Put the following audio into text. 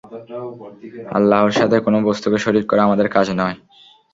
আল্লাহর সাথে কোন বস্তুকে শরীক করা আমাদের কাজ নয়।